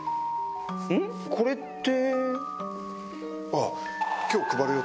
これって。